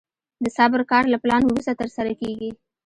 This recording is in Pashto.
د صبر کار له پلان وروسته ترسره کېږي.